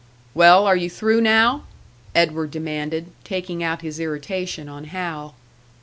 "Well, are you through now?" Edward demanded, taking out his irritation on Hal.